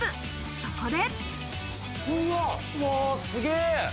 そこで。